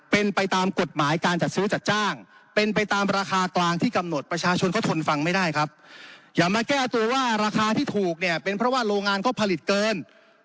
เป็นไปตามกฎหมายการจัดซื้อจัดจ้างเป็นไปตามราคากลางที่กำหนดประชาชนเขาทนฟังไม่ได้ครับอย่ามาแก้ตัวว่าราคาที่ถูกเนี่ยเป็นเพราะว่าโรงงานเขาผลิตเกิน